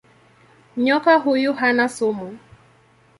Nyoka huyu hana sumu.